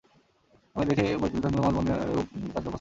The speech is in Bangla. আমাকে দেখেই পরিচালক নূর মোহাম্মদ মনি ছবিতে কাজ করার প্রস্তাব দেন।